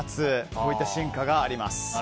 こういった進化があります。